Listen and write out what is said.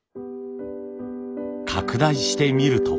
拡大してみると。